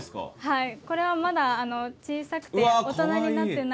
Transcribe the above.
はいこれはまだ小さくて大人になってないミズクラゲ。